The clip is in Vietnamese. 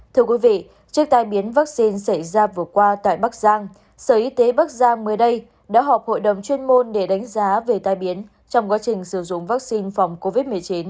thưa quý vị trước tai biến vaccine xảy ra vừa qua tại bắc giang sở y tế bắc giang mới đây đã họp hội đồng chuyên môn để đánh giá về tai biến trong quá trình sử dụng vaccine phòng covid một mươi chín